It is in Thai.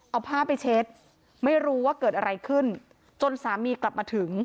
เอาผ้าไปเช็ดไม่รู้ว่าเกิดอะไรขึ้นจนสามีกลับมาถึง